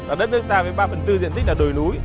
ở đất nước ta với ba phần tư diện tích là đồi núi